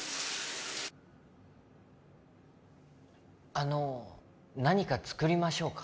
あの何か作りましょうか？